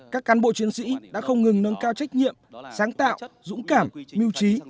các cán bộ chiến sĩ đã không ngừng nâng cao trách nhiệm sáng tạo dũng cảm mưu trí